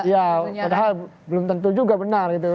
ya padahal belum tentu juga benar gitu